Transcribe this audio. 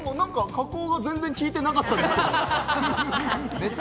加工が全然効いてなかったで